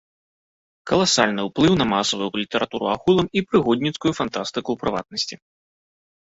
Каласальна ўплыў на масавую літаратуру агулам і прыгодніцкую фантастыку ў прыватнасці.